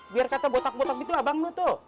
biar kata botak botak gitu abang nu tuh